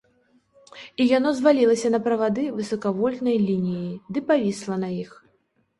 І яно звалілася на правады высакавольтнай лініі ды павісла на іх.